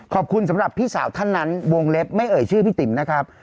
สำหรับพี่สาวท่านนั้นวงเล็บไม่เอ่ยชื่อพี่ติ๋มนะครับ